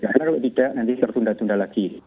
karena kalau tidak nanti tertunda tunda lagi